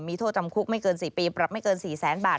มีโทษจำคุกไม่เกิน๔ปีปรับไม่เกิน๔แสนบาท